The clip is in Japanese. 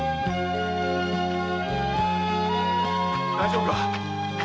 大丈夫か。